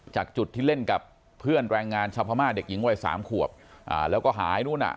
จากจุดที่เล่นกับเพื่อนแรงงานชาวพม่าเด็กหญิงวัยสามขวบแล้วก็หายนู้นอ่ะ